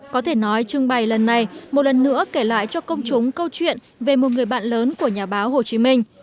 có thể nói trưng bày lần này một lần nữa kể lại cho công chúng câu chuyện về một người bạn lớn của nhà báo hồ chí minh